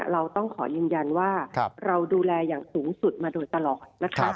เราต้องขอยืนยันว่าเราดูแลอย่างสูงสุดมาโดยตลอดนะคะ